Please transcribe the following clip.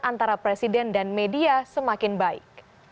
antara presiden dan media semakin baik